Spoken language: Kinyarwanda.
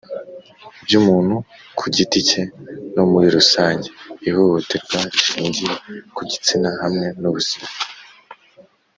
By umuntu ku giti cye no muri rusange ihohoterwa rishingiye ku gitsina hamwe n ubuzima